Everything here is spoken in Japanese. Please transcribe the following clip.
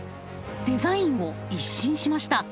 デザインを一新しました。